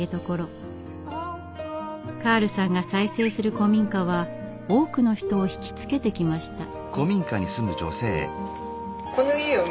カールさんが再生する古民家は多くの人を惹きつけてきました。